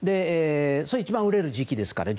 一番売れる時期ですからね。